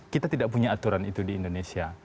kita tidak punya aturan itu di indonesia